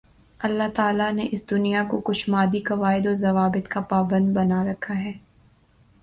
اللہ تعالیٰ نے اس دنیا کو کچھ مادی قواعد و ضوابط کا پابند بنا رکھا ہے